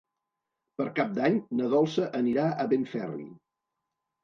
Per Cap d'Any na Dolça anirà a Benferri.